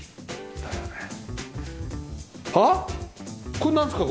これなんですか？